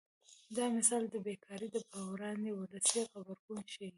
دا متل د بې کارۍ پر وړاندې ولسي غبرګون ښيي